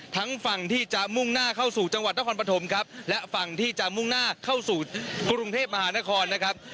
ทั้งฝั่งที่จะมุ่งหน้าเข้าสู่จังหวัดนครปฐมครับและฝั่งที่จะมุ่งหน้าเข้าสู่กรุงเทพมหานครนะครับ